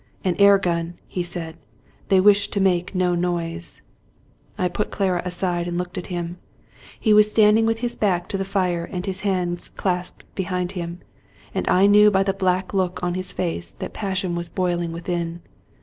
" An air gun," he said. " They wish to make no noise." I put Clara aside, and looked at him. He was standing with his back to the fire and his hands clasped behind him ; and I knew by the black look on his face, that passion was boiling within.